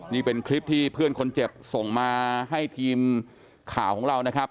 นี่เป็นคลิปที่เพื่อนคนเจ็บส่งมาให้ทีมข่าวของเรานะครับ